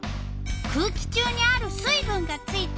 「空気中にある水分がついた」。